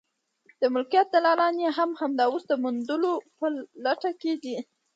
د ملکیت دلالان یې همدا اوس د موندلو په لټه کې دي.